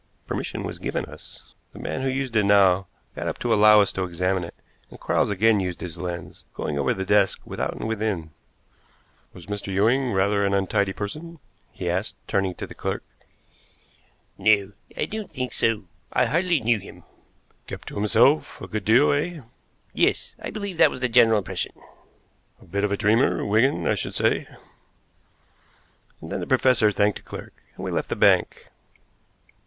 Permission was given us. The man who used it now got up to allow us to examine it, and Quarles again used his lens, going over the desk without and within. "Was Mr. Ewing rather an untidy person?" he asked, turning to the clerk. "No, I don't think so. I hardly knew him." "Kept himself to himself a good deal, eh?" "Yes; I believe that was the general impression." "A bit of a dreamer, Wigan, I should say." And then the professor thanked the clerk, and we left the bank.